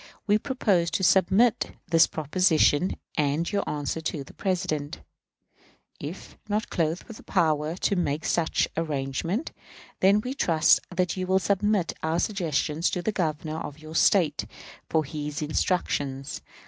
We propose to submit this proposition and your answer to the President. If not clothed with power to make such arrangement, then we trust that you will submit our suggestions to the Governor of your State for his instructions.